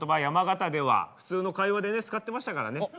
山形では普通の会話でね使ってましたからね。